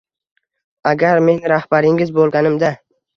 -Agar men rahbaringiz bo’lganimda…